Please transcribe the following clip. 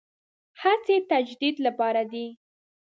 هڅې تجدید لپاره دي.